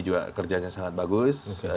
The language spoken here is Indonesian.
juga kerjanya sangat bagus